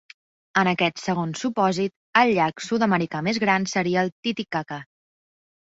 En aquest segon supòsit, el llac sud-americà més gran seria el Titicaca.